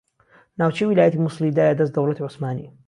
ناوچەی ویلایەتی موسڵی دایە دەست دەوڵەتی عوسمانی